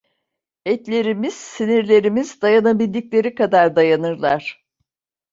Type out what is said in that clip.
Etlerimiz, sinirlerimiz dayanabildikleri kadar dayanırlar.